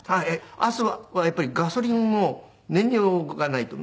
朝はやっぱりガソリンを燃料がないと。